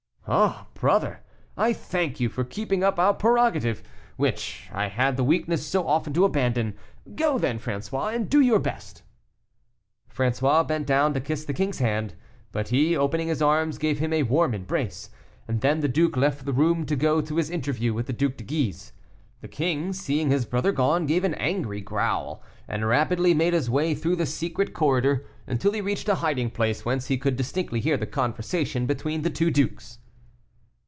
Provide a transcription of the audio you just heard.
"Ah, brother, I thank you for keeping up our prerogative, which I had the weakness so often to abandon. Go, then, François, and do your best." François bent down to kiss the king's hand, but he, opening his arms, gave him a warm embrace, and then the duke left the room to go to his interview with the Duc de Guise. The king, seeing his brother gone, gave an angry growl, and rapidly made his way through the secret corridor, until he reached a hiding place whence he could distinctly hear the conversation between the two dukes.